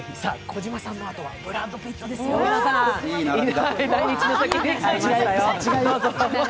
児嶋さんのあとはブラッド・ピットですよ、皆さん。